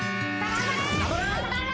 頑張れ！